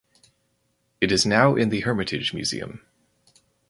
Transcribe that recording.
It is now in the Hermitage Museum.